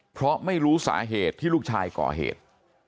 เพราะไม่รู้สาเหตุที่ลูกชายก่อเหตุ